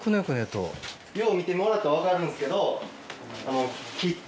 よう見てもらうと分かるんですけど。